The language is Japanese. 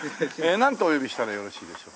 なんとお呼びしたらよろしいでしょうか？